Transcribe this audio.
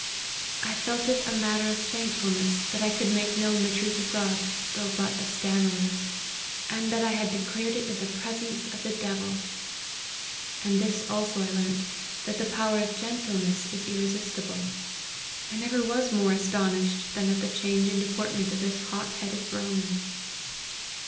I felt it a matter of thankfulness that I could make known the truth of God, though but a stammerer ; and that I had declared it in the presence of the devil. And this also I learnt, that the power of gentleness is irresistible. I never was more aston ished than at the change in deportment of this hot headed Brahmin."